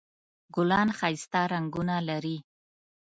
ګلان ښایسته رنګونه لري